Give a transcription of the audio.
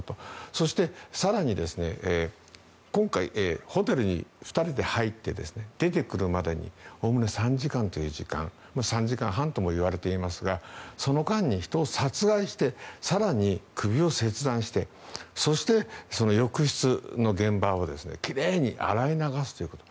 そして、更に今回ホテルに２人で入って出てくるまでにおおむね３時間という時間３時間半ともいわれていますがその間に人を殺害して更に首を切断してそして、浴室の現場を奇麗に洗い流すということ。